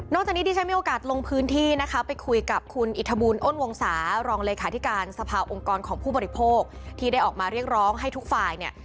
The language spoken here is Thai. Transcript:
จากนี้ที่ฉันมีโอกาสลงพื้นที่นะคะไปคุยกับคุณอิทธบูลอ้นวงศารองเลขาธิการสภาองค์กรของผู้บริโภคที่ได้ออกมาเรียกร้องให้ทุกฝ่ายเนี่ย